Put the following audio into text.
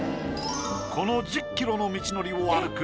この１０キロの道のりを歩く